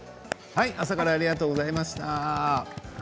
朝からありがとうございました。